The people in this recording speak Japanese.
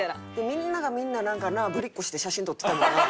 みんながみんななんかなぶりっ子して写真撮ってたもんな。